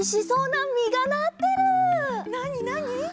なになに？